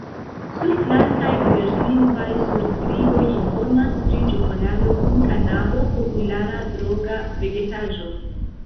Surflankaj diverslingvaj surskriboj informas pri ĉokolado kun kanabo – populara droga vegetaĵo.